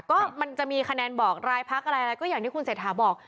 ก็มันจะมีคะแนนบอกรายพักอะไรอะไรก็อย่างที่คุณเศรษฐาบอก